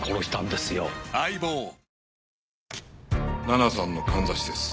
奈々さんのかんざしです。